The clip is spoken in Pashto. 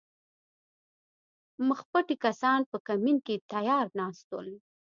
مخپټي کسان په کمین کې تیار ناست ول